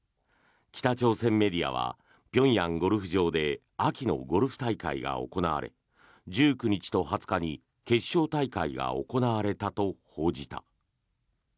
北朝鮮メディアは平壌ゴルフ場で秋のゴルフ大会が行われ１９日と２０日に決勝大会が行われたと報じた。